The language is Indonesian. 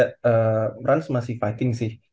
trans masih fighting sih